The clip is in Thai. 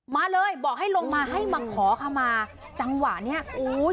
มาเลยบอกให้ลงมาให้มาขอขมาจังหวะเนี้ยอุ้ย